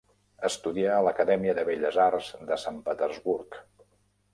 Estudià a l'acadèmia de belles arts de Sant Petersburg.